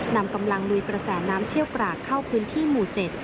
นำกำลังลุยกระแสน้ำเชี่ยวกรากเข้าพื้นที่หมู่๗